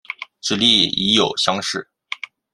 直隶乙酉乡试。